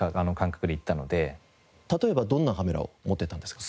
例えばどんなカメラを持っていったんですか？